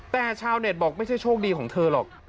แต่ชาวเน็ตบอกไม่ใช่โชคดีของเธอหรอก